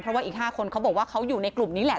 เพราะว่าอีก๕คนเขาบอกว่าเขาอยู่ในกลุ่มนี้แหละ